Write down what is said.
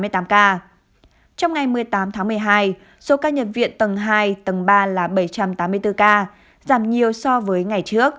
trong ngày một mươi tám tháng một mươi hai số ca nhập viện tầng hai tầng ba là bảy trăm tám mươi tám